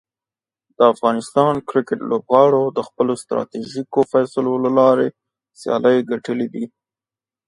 د افغانستان کرکټ لوبغاړو د خپلو ستراتیژیکو فیصلو له لارې سیالۍ ګټلي دي.